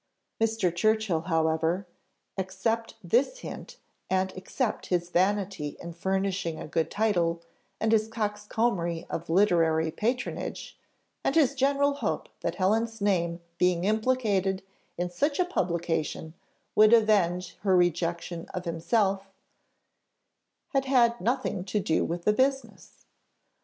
Mr. Churchill, however, except this hint, and except his vanity in furnishing a good title, and his coxcombry of literary patronage, and his general hope that Helen's name being implicated in such a publication would avenge her rejection of himself, had had nothing to do with the business.